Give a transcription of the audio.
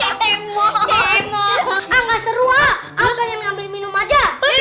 aku pengen ngambil minum aja